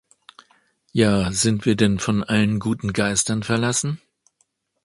Ja sind wir denn von allen guten Geistern verlassen?